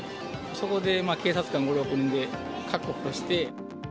そこで、警察官５、６人で確保して。